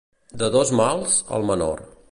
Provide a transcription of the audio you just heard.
De dos mals, el menor.